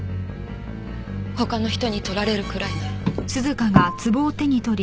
他の人に取られるくらいなら。